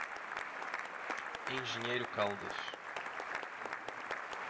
Engenheiro Caldas